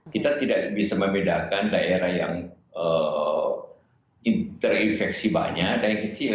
kita tidak bisa membedakan daerah yang terinfeksi banyak daerah yang kecil